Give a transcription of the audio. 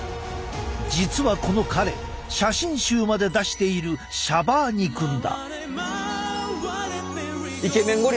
実はこの彼写真集まで出しているシャバーニ君だ。